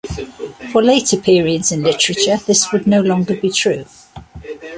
For later periods in literature this would no longer be true.